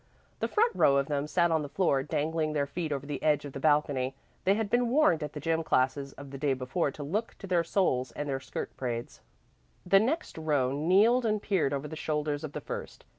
The front row of them sat on the floor, dangling their feet over the edge of the balcony they had been warned at the gym classes of the day before to look to their soles and their skirt braids. The next row kneeled and peered over the shoulders of the first.